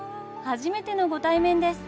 初めてのご対面です。